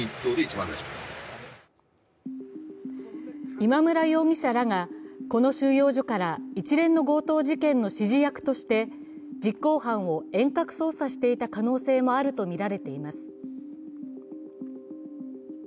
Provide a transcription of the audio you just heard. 今村容疑者らがこの収容所から一連の強盗事件の指示役として実行犯を遠隔操作していた可能性もあるとみられています。